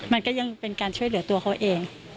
มันก็ยังเป็นการช่วยเหลือตัวเขาเอง